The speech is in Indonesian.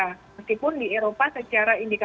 meskipun di eropa secara indikator